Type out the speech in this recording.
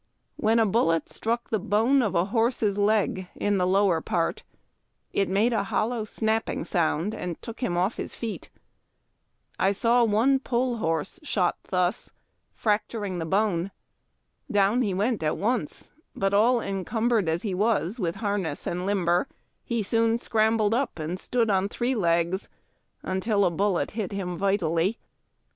When a bullet struck the bone of a horse's leg in the lower part, it made a hollow snapping sound and took him off his feet. I saw one pole horse shot thus, fracturing the 328 HARD TACK AND COFFEE. bone. Down he went at once, but all encumbered as he was with liarness and limber, he soon scrambled up and stood on three legs until a bullet hit him vitally.